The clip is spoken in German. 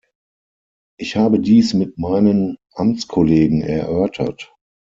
Ich habe dies mit meinen Amtskollegen erörtert.